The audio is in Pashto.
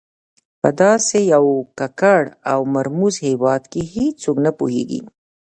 په داسې یو ککړ او مرموز هېواد کې هېڅوک نه پوهېږي.